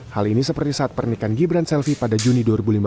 hal ini seperti saat pernikahan gibran selvi pada juni dua ribu lima belas